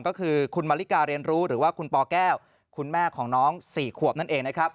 ก็คือคุณมาริกาเรียนรู้หรือว่าคุณปแก้วคุณแม่ของน้อง๔ขวบนั่นเองนะครับ